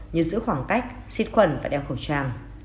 như giữ khoảng cách xịt khuẩn và đeo khẩu trang